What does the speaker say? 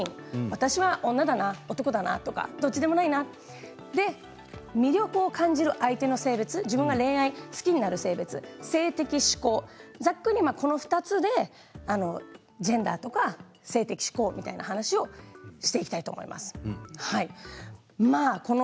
私は女だな、男だなとかどっちでもないなそれで魅力を感じる相手の性別恋愛で好きになる性別性的指向、ざっくりこの２つでジェンダーとか性的指向みたいな話をしていきたいと思います。